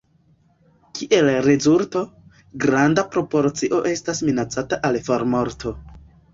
Kiel rezulto, granda proporcio estas minacata al formorto.